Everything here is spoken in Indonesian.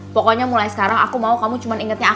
pokoknya mulai sekarang aku mau kamu cuma ingetnya